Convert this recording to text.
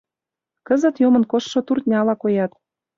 Кызыт йомын коштшо турняла коят.